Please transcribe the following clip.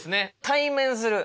「対面する」